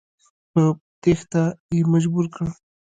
په تېښته یې مجبور کړ.